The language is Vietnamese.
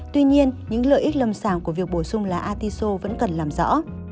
tuy nhiên những lợi ích lầm sàng của việc bổ sung lá artiso vẫn cần làm rõ